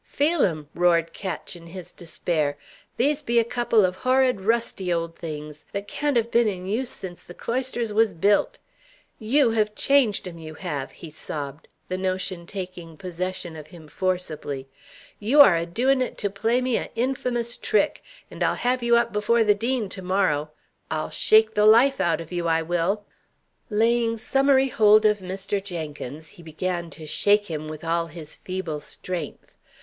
"Feel 'em!" roared Ketch, in his despair. "These be a couple of horrid, rusty old things, that can't have been in use since the cloisters was built. You have changed 'em, you have!" he sobbed, the notion taking possession of him forcibly. "You are a doing it to play me a infamous trick, and I'll have you up before the dean to morrow! I'll shake the life out of you, I will!" Laying summary hold of Mr. Jenkins, he began to shake him with all his feeble strength.